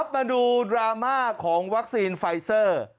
มาดูดราม่าของวัคซีนไฟเซอร์